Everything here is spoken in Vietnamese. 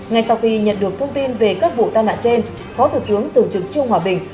ngay sau khi nhận được thông tin về các vụ tai nạn trên khó thực hướng tưởng chứng trương hòa bình